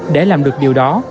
để làm được điều đó